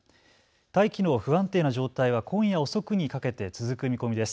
大気の不安定な状態は今夜遅くにかけて続く見込みです。